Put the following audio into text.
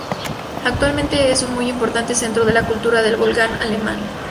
Actualmente es un muy importante centro de la cultura del Volga alemán.